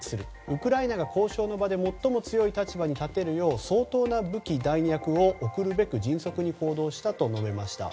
ウクライナが交渉の場で最も強い立場に立てるよう相当な武器・弾薬を送るべく迅速に行動したと述べました。